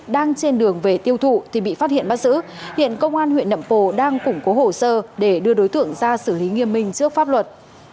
đang trên đường về tiêu thụ thì bị phát hiện bắt giữ hiện công an huyện nậm pồ đang củng cố hồ sơ để đưa đối tượng ra xử lý nghiêm minh trước pháp luật